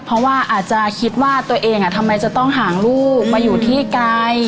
เพราะว่าอาจจะคิดว่าตัวเองทำไมจะต้องห่างลูกมาอยู่ที่ไกล